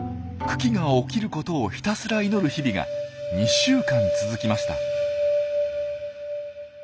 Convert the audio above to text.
群来が起きることをひたすら祈る日々が２週間続きました。